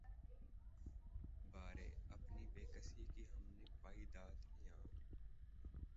بارے‘ اپنی بیکسی کی ہم نے پائی داد‘ یاں